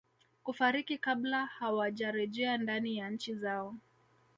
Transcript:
kufariki kabla hawajerejea ndani ya nchi zao